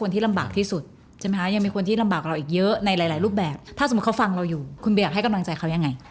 ถ้าสมมุติเขาฟังเราอยู่คุณบี๊อยากให้กำลังใจเขายังไง